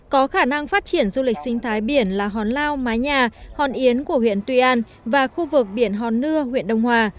có khả năng phát triển du lịch sinh thái biển là hòn lao mái nhà hòn yến của huyện tuy an và khu vực biển hòn nưa huyện đông hòa